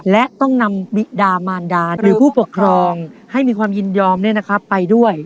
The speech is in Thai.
และต้องนำบิดามารดาหรือผู้ปกครองให้มีความยินยอมไปด้วย